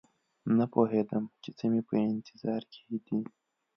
نه پوهېدم چې څه مې په انتظار کې دي